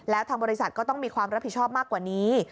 แล้วทางบริษัทก็ต้องมีความรับผิดชอบมากกว่านี้